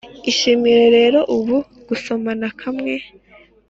ishimire rero ubu gusomana kamwe